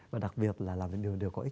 và đặc biệt là làm những điều có ích